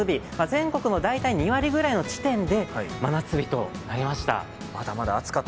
全国の大体２割ぐらいの地点で真夏日となりました。